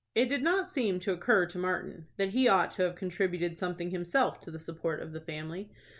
It did not seem to occur to Martin that he ought to have contributed something himself to the support of the family.